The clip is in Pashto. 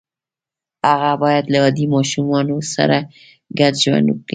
هغه باید له عادي ماشومانو سره ګډ ژوند وکړي